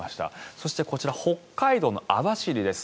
そして、北海道の網走です。